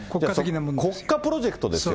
国家プロジェクトですよ。